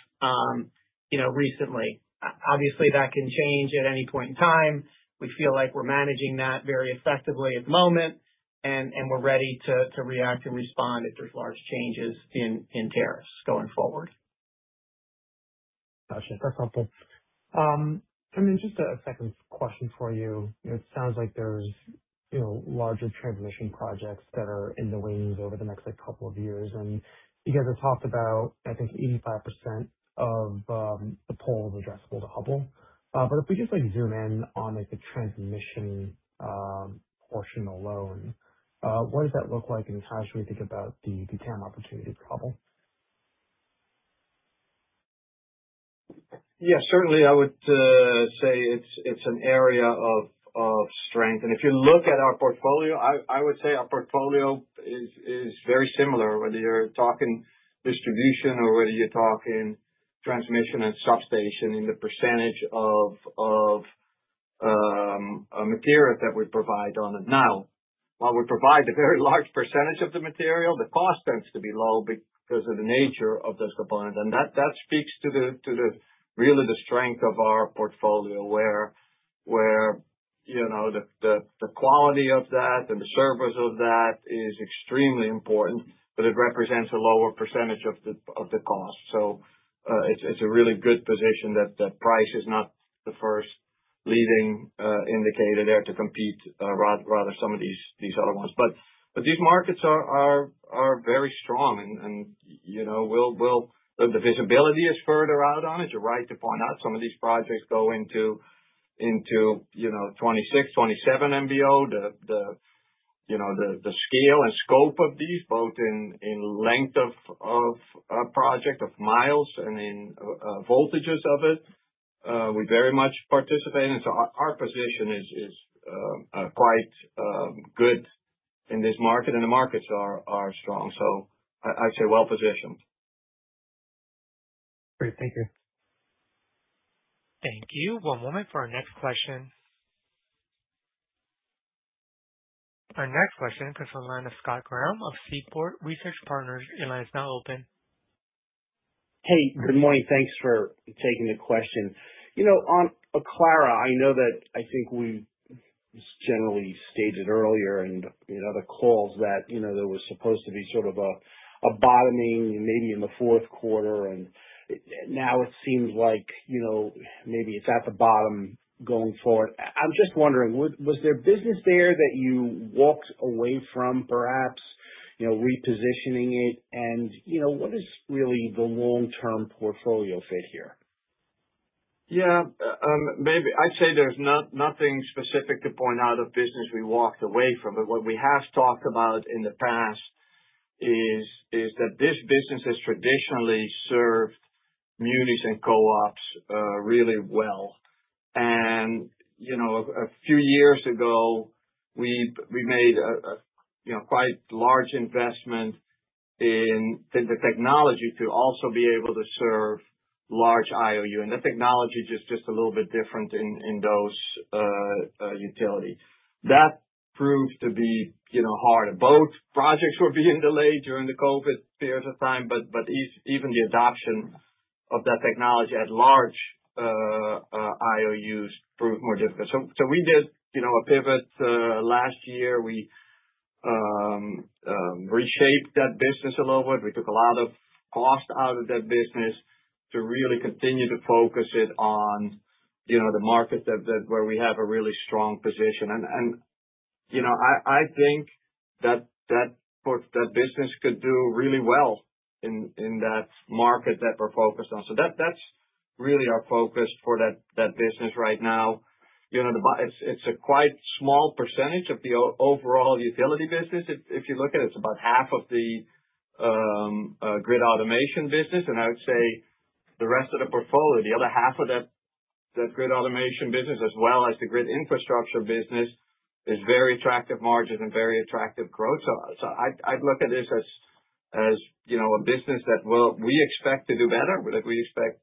D: you know, recently. Obviously, that can change at any point in time. We feel like we're managing that very effectively at the moment, and we're ready to react and respond if there's large changes in tariffs going forward.
K: Gotcha. That's helpful. And then just a second question for you. It sounds like there's, you know, larger transmission projects that are in the wings over the next, like, couple of years, and you guys have talked about, I think, 85% of the total addressable to Hubbell. But if we just like zoom in on, like, the transmission portion alone, what does that look like, and how should we think about the, the TAM opportunity for Hubbell?
C: Yeah, certainly, I would say it's an area of strength. And if you look at our portfolio, I would say our portfolio is very similar, whether you're talking distribution or whether you're talking transmission and substation, in the percentage of material that we provide on it. Now, while we provide a very large percentage of the material, the cost tends to be low because of the nature of those components, and that speaks to the really the strength of our portfolio, where, you know, the quality of that and the service of that is extremely important, but it represents a lower percentage of the cost. So, it's a really good position that the price is not the first leading indicator there to compete, rather some of these other ones. But these markets are very strong, and you know, the visibility is further out on it. You're right to point out some of these projects go into, you know, 2026, 2027 [MVO]. You know, the scale and scope of these, both in length of a project, of miles and in voltages of it, we very much participate in. So our position is quite good in this market, and the markets are strong. So I'd say well-positioned.
K: Great. Thank you.
A: Thank you. One moment for our next question. Our next question comes on the line of Scott Graham of Seaport Research Partners, your line is now open.
L: Hey, good morning. Thanks for taking the question. You know, on Aclara, I know that I think we just generally stated earlier, and in other calls that, you know, there was supposed to be sort of a, a bottoming maybe in the fourth quarter, and now it seems like, you know, maybe it's at the bottom going forward. I'm just wondering, was there business there that you walked away from, perhaps, you know, repositioning it? And, you know, what is really the long-term portfolio fit here?
C: Yeah. Maybe I'd say there's nothing specific to point out about the business we walked away from. But what we have talked about in the past is that this business has traditionally served munis and co-ops really well. And, you know, a few years ago, we made, you know, quite large investment in the technology to also be able to serve large IOU, and the technology is just a little bit different in those utilities. That proved to be, you know, hard. Both projects were being delayed during the COVID period of time, but even the adoption of that technology at large IOUs proved more difficult. So we did, you know, a pivot last year. We reshaped that business a little bit. We took a lot of cost out of that business to really continue to focus it on, you know, the market that where we have a really strong position. And, you know, I think that business could do really well in that market that we're focused on. So that's really our focus for that business right now. You know, it's a quite small percentage of the overall utility business. If you look at it, it's about half of the grid automation business, and I would say the rest of the portfolio, the other half of that grid automation business, as well as the grid infrastructure business, is very attractive margin and very attractive growth. So I'd look at this as, as you know, a business that will—we expect to do better, like, we expect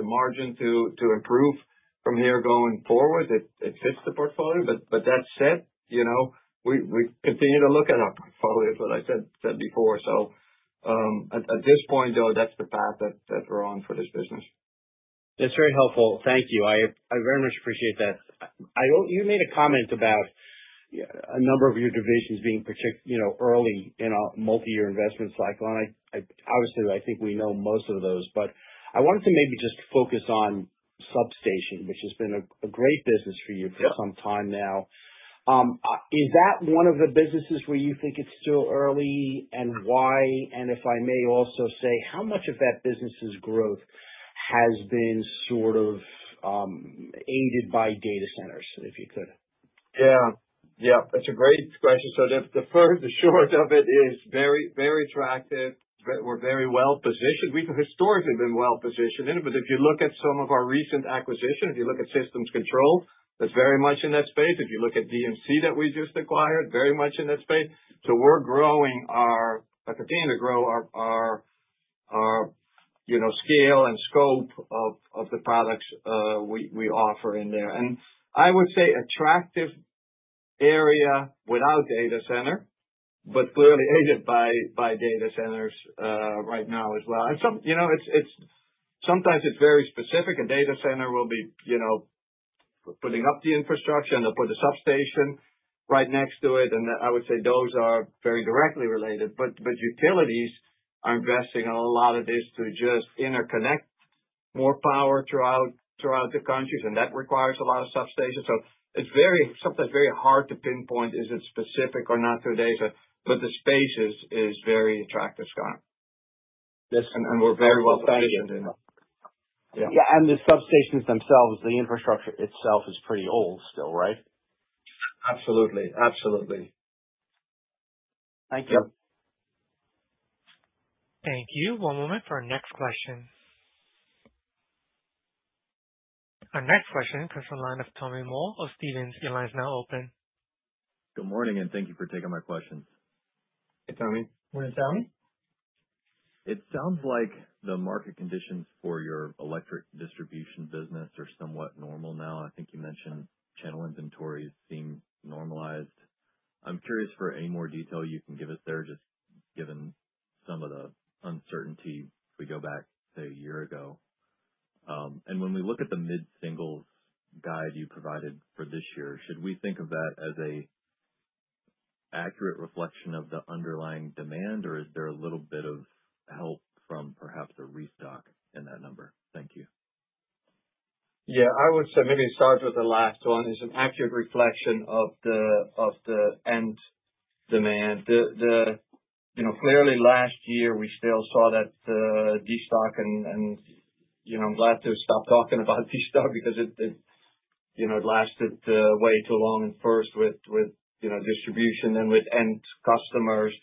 C: the margin to improve from here going forward. It fits the portfolio. But that said, you know, we continue to look at our portfolio, as what I said before. At this point, though, that's the path that we're on for this business.
L: That's very helpful. Thank you. I very much appreciate that. You made a comment about a number of your divisions being particularly, you know, early in a multi-year investment cycle, and I obviously think we know most of those, but I wanted to maybe just focus on substation, which has been a great business for you.for some time now. Is that one of the businesses where you think it's still early, and why? And if I may also say, how much of that business's growth has been sort of aided by data centers, if you could?
C: Yeah. Yeah, that's a great question. So the short of it is very, very attractive. We're very well positioned. We've historically been well positioned in it, but if you look at some of our recent acquisitions, if you look at Systems Control, that's very much in that space. If you look at DMC that we just acquired, very much in that space. So we're growing our are continuing to grow our, you know, scale and scope of the products we offer in there. And I would say attractive area without data center, but clearly aided by data centers right now as well. And you know, it's sometimes it's very specific. A data center will be, you know, putting up the infrastructure, and they'll put the substation right next to it, and I would say those are very directly related. But utilities are investing a lot of this to just interconnect more power throughout the countries, and that requires a lot of substations. So it's sometimes very hard to pinpoint, is it specific or not to data, but the space is very attractive, Scott. Yes, and we're very well positioned in it.
L: Yeah, and the substations themselves, the infrastructure itself is pretty old still, right?
C: Absolutely. Absolutely.
L: Thank you.
C: Yep.
A: Thank you. One moment for our next question. Our next question comes from the line of Tommy Moll of Stephens. Your line is now open.
M: Good morning, and thank you for taking my questions.
C: Hey, Tommy.
D: Morning, Tommy.
M: It sounds like the market conditions for your electric distribution business are somewhat normal now. I think you mentioned channel inventories seem normalized. I'm curious for any more detail you can give us there, just given some of the uncertainty if we go back, say, a year ago. And when we look at the mid-singles guide you provided for this year, should we think of that as an accurate reflection of the underlying demand, or is there a little bit of help from perhaps a restock in that number? Thank you.
C: Yeah, I would say maybe start with the last one. It's an accurate reflection of the end demand. The, the, you know, clearly last year, we still saw that destock and, and, you know, I'm glad to stop talking about destock because it, it, you know, it lasted way too long, at first with, with, you know, distribution and with end customers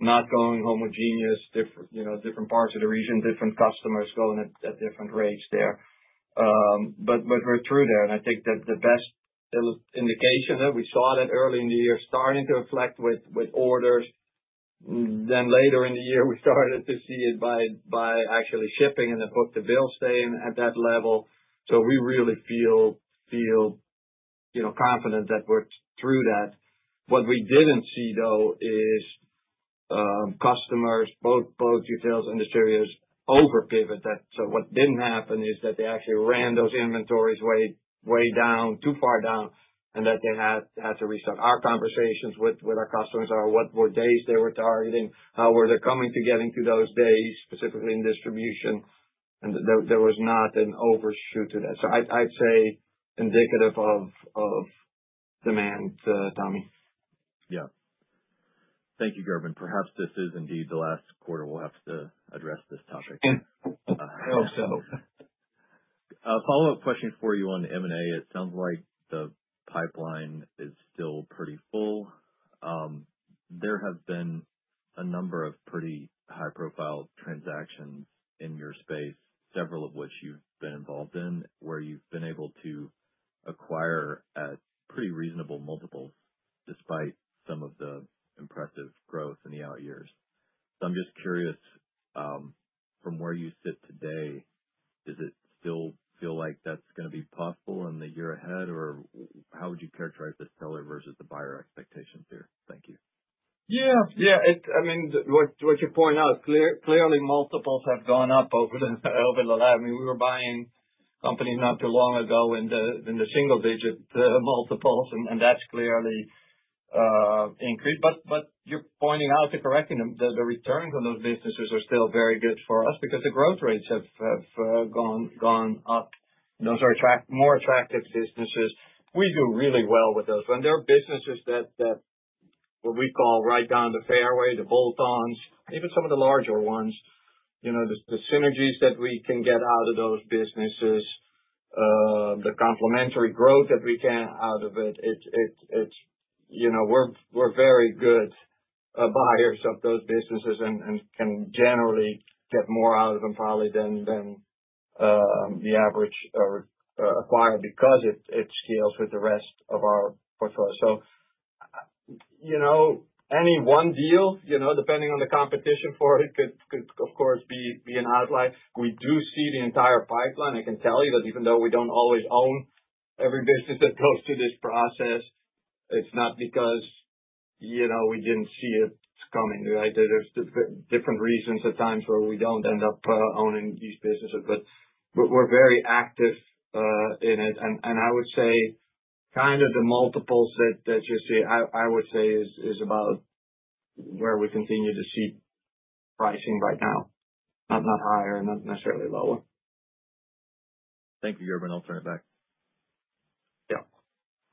C: not going homogeneous, different, you know, different parts of the region, different customers going at, at different rates there. But, but we're through there, and I think that the best indication of it, we saw that early in the year starting to reflect with orders. Then later in the year, we started to see it by actually shipping and the book-to-bill staying at that level. So we really feel, feel, you know, confident that we're through that. What we didn't see, though, is customers, both retail and distributors, over-pivot that. So what didn't happen is that they actually ran those inventories way, way down, too far down, and that they had to restock. Our conversations with our customers are, what were days they were targeting? How were they coming to getting to those days, specifically in distribution? And there was not an overshoot to that. So I'd say indicative of demand, Tommy.
M: Yeah. Thank you, Gerben. Perhaps this is indeed the last quarter we'll have to address this topic.
C: I hope so.
M: A follow-up question for you on M&A. It sounds like the pipeline is still pretty full. There have been a number of pretty high-profile transactions in your space, several of which you've been involved in, where you've been able to acquire at pretty reasonable multiples despite some of the impressive growth in the out years. So I'm just curious, from where you sit today, does it still feel like that's gonna be possible in the year ahead, or how would you characterize the seller versus the buyer expectations here? Thank you.
C: Yeah. Yeah, it... I mean, what you point out, clearly, multiples have gone up over the last... I mean, we were buying companies not too long ago in the single digit multiples, and that's clearly increased. But you're pointing out the correct in them, the returns on those businesses are still very good for us because the growth rates have gone up. Those are more attractive businesses. We do really well with those. When there are businesses that what we call right down the fairway, the bolt-ons, even some of the larger ones, you know, the synergies that we can get out of those businesses, the complementary growth that we can out of it, it's, you know, we're very good buyers of those businesses and can generally get more out of them probably than the average acquirer, because it scales with the rest of our portfolio. So, you know, any one deal, you know, depending on the competition for it, could, of course, be an outlier. We do see the entire pipeline. I can tell you that even though we don't always own every business that goes through this process. It's not because, you know, we didn't see it coming, right? There, there's different reasons at times where we don't end up owning these businesses. But we're very active in it. And I would say kind of the multiples that you see, I would say is about where we continue to see pricing right now. Not higher, not necessarily lower.
M: Thank you, Gerben. I'll turn it back.
C: Yeah.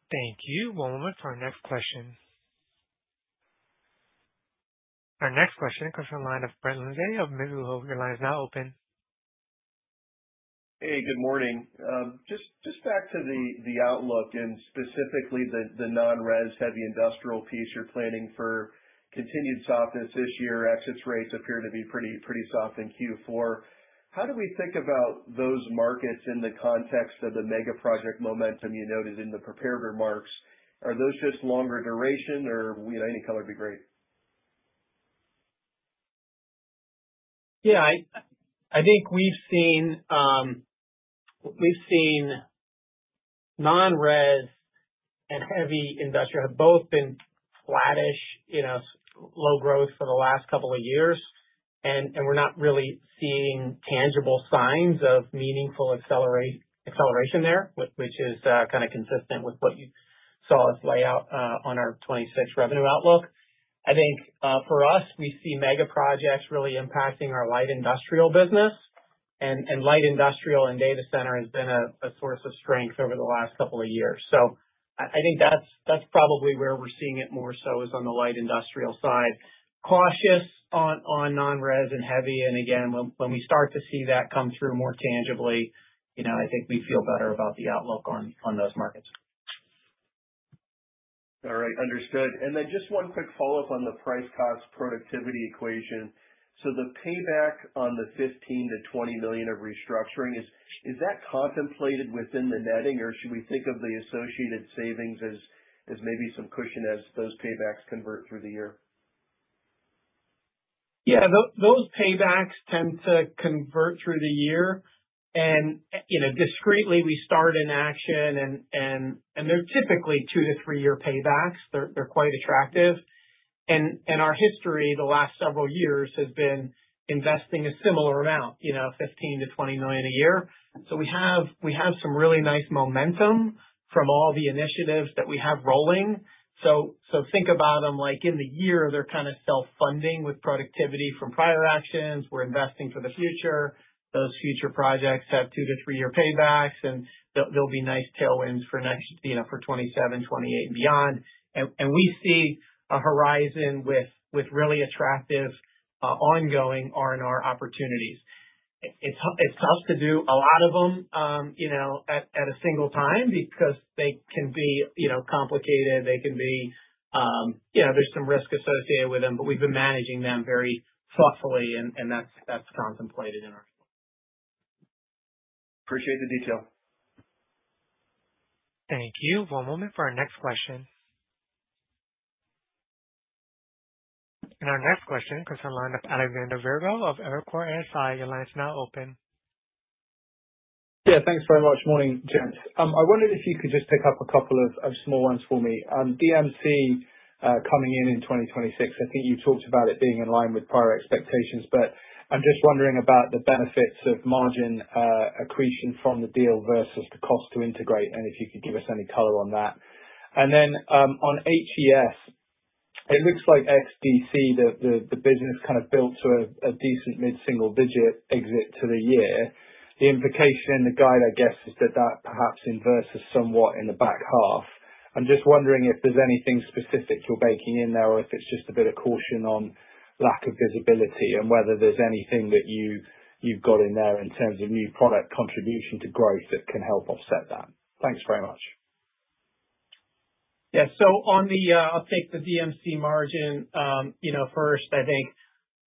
A: Thank you. One moment for our next question. Our next question comes from the line of Brett Linzey of Mizuho. Your line is now open.
N: Hey, good morning. Just back to the outlook and specifically the non-res heavy industrial piece, you're planning for continued softness this year. Exit rates appear to be pretty soft in Q4. How do we think about those markets in the context of the mega project momentum you noted in the prepared remarks? Are those just longer duration or any color would be great?
D: Yeah, I think we've seen non-res and heavy industrial have both been flattish, you know, low growth for the last couple of years, and we're not really seeing tangible signs of meaningful acceleration there, which is kind of consistent with what you saw us lay out on our 2026 revenue outlook. I think for us, we see mega projects really impacting our light industrial business. And light industrial and data center has been a source of strength over the last couple of years. So I think that's probably where we're seeing it more so, is on the light industrial side. Cautious on non-res and heavy, and again, when we start to see that come through more tangibly, you know, I think we feel better about the outlook on those markets.
N: All right. Understood. And then just one quick follow-up on the price, cost, productivity equation. So the payback on the $15 million-$20 million of restructuring, is that contemplated within the netting, or should we think of the associated savings as maybe some cushion as those paybacks convert through the year?
D: Yeah, those paybacks tend to convert through the year. And, you know, discretely, we start an action and they're typically 2-3-year paybacks. They're quite attractive. And our history, the last several years, has been investing a similar amount, you know, $15 million-$20 million a year. So we have some really nice momentum from all the initiatives that we have rolling. So think about them like in the year, they're kind of self-funding with productivity from prior actions. We're investing for the future. Those future projects have 2-3-year paybacks, and they'll be nice tailwinds for next, you know, for 2027, 2028 and beyond. And we see a horizon with really attractive ongoing R&R opportunities. It's tough to do a lot of them, you know, at a single time because they can be, you know, complicated. They can be... You know, there's some risk associated with them, but we've been managing them very thoughtfully, and that's contemplated in our plan.
N: Appreciate the detail.
A: Thank you. One moment for our next question. Our next question comes from the line of Alexander Virgo of Evercore ISI. Your line is now open.
O: Yeah, thanks very much. Morning, gents. I wondered if you could just pick up a couple of small ones for me. DMC coming in in 2026, I think you talked about it being in line with prior expectations, but I'm just wondering about the benefits of margin accretion from the deal versus the cost to integrate, and if you could give us any color on that. And then, on HES, it looks like DC, the business kind of built to a decent mid-single digit exit to the year. The implication in the guide, I guess, is that that perhaps inverses somewhat in the back half. I'm just wondering if there's anything specific you're baking in there or if it's just a bit of caution on lack of visibility, and whether there's anything that you've, you've got in there in terms of new product contribution to growth that can help offset that. Thanks very much.
D: Yeah. So on the, I'll take the DMC margin, you know, first. I think,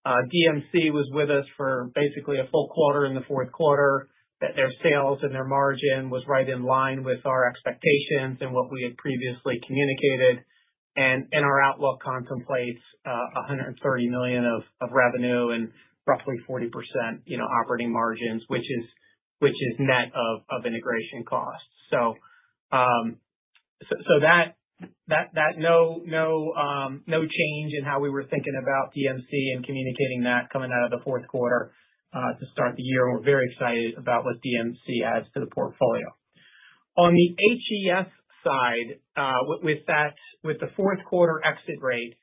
D: DMC was with us for basically a full quarter in the fourth quarter, that their sales and their margin was right in line with our expectations and what we had previously communicated. Our outlook contemplates $130 million of revenue and roughly 40%, you know, operating margins, which is net of integration costs. No change in how we were thinking about DMC and communicating that coming out of the fourth quarter to start the year. We're very excited about what DMC adds to the portfolio. On the HES side, with that, with the fourth quarter exit rate,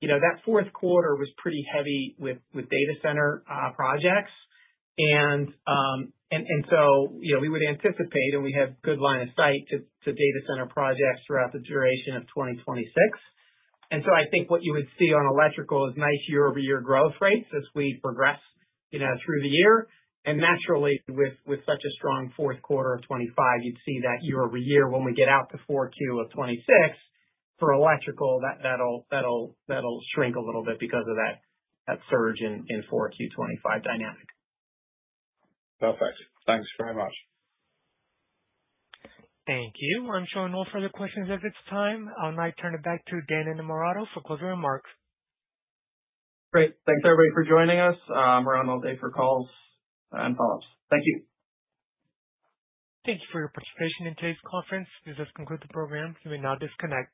D: you know, that fourth quarter was pretty heavy with data center projects. And so, you know, we would anticipate, and we have good line of sight to data center projects throughout the duration of 2026. And so I think what you would see on electrical is nice year-over-year growth rates as we progress, you know, through the year. And naturally, with such a strong fourth quarter of 2025, you'd see that year over year. When we get out to 4Q of 2026, for electrical, that'll shrink a little bit because of that surge in 4Q 2025 dynamic.
O: Perfect. Thanks very much.
A: Thank you. I'm showing no further questions at this time. I'll now turn it back to Dan Innamorato for closing remarks.
B: Great. Thanks, everybody, for joining us. We're on all day for calls and follow-ups. Thank you.
A: Thank you for your participation in today's conference. This does conclude the program. You may now disconnect.